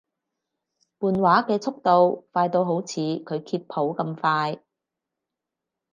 換畫嘅速度快到好似佢揭譜咁快